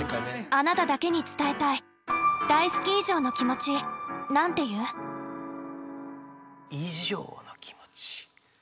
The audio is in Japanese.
あなただけに伝えたい以上の気持ち。